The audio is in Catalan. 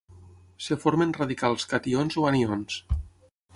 Es formen radicals cations o anions.